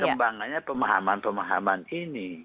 iya berkembangannya pemahaman pemahaman ini